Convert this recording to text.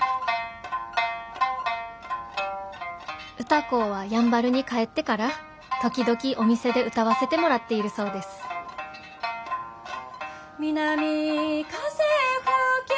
「歌子はやんばるに帰ってから時々お店で歌わせてもらっているそうです」。「南風吹けば」